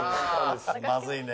まずいね。